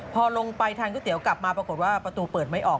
พอลงไปทานก๋วยเตี๋ยวกลับมาปรากฏว่าประตูเปิดไม่ออก